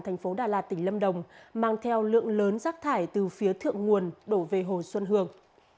thành phố đà lạt tỉnh lâm đồng mang theo lượng lớn rác thải từ phía thượng nguồn đổ về hồ xuân hương